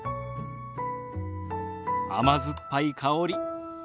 甘酸っぱい香り。